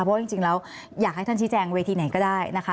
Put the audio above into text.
เพราะจริงแล้วอยากให้ท่านชี้แจงเวทีไหนก็ได้นะคะ